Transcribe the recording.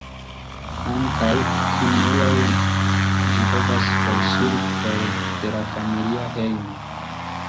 Ankaŭ krimulojn ĝi povas forŝiri for de la familia hejmo.